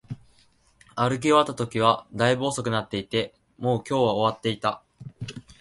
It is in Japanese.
歩き終わったときは、大分遅くなっていて、もう今日は終わっていた